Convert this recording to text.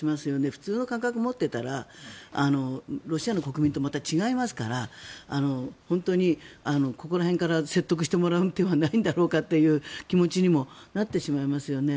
普通の感覚を持っていたらロシアの国民とまた違いますから本当にここら辺から説得してもらう手はないんだろうかという気持ちにもなってしまいますよね。